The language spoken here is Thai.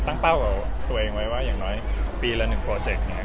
ตั้งเป้ากับตัวเองไว้ว่าอย่างน้อยปีละ๑โปรเจ็ค